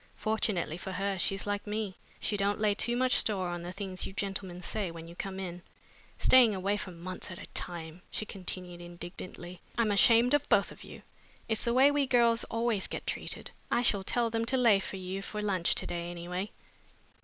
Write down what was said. "Fortunately for her, she's like me she don't lay too much store on the things you gentlemen say when you come in. Staying away for months at a time!" she continued indignantly. "I'm ashamed of both of you. It's the way we girls always get treated. I shall tell them to lay for you for lunch to day, anyway."